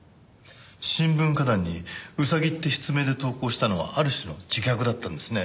新聞歌壇に「ウサギ」って筆名で投稿したのはある種の自虐だったんですね。